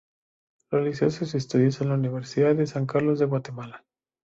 Realizó sus estudios en la Universidad de San Carlos de Guatemala.